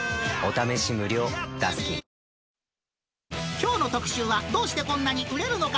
きょうの特集は、どうしてこんなに売れるのか！